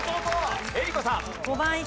江里子さん。